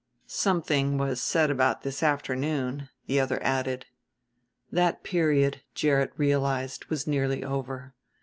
"Something was said about this afternoon," the other added. That period, Gerrit realized, was nearly over.